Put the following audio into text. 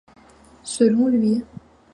Selon lui,